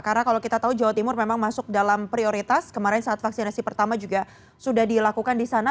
karena kalau kita tahu jawa timur memang masuk dalam prioritas kemarin saat vaksinasi pertama juga sudah dilakukan di sana